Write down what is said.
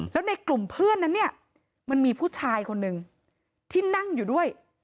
แล้วในกลุ่มเพื่อนนั้นเนี่ยมันมีผู้ชายคนหนึ่งที่นั่งอยู่ด้วย